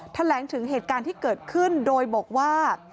แถลงถึงเหตุการณ์ที่เกิดขึ้นโดยบอกว่า